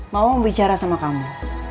mau bicara sama kamu